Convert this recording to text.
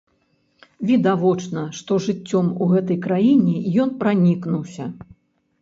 Відавочна, што жыццём у гэтай краіне ён пранікнуўся.